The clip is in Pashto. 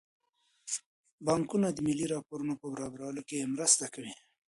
بانکونه د مالي راپورونو په برابرولو کې مرسته کوي.